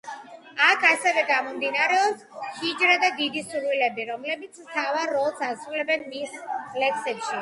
აქ ასევე გამომდინარეობს ჰიჯრა და დიდი სურვილები, რომლებიც მთავარ როლს ასრულებენ მის ლექსებში.